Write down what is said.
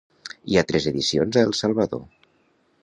Hi ha tres edicions a El Salvador.